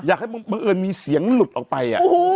อยากให้มึงมีเสียงหลุดออกไป